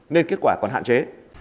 nên kết quả còn hạn chế